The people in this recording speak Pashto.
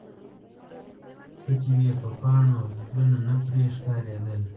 پټې وې په پاڼو، پلونه نه پرې ښکاریدل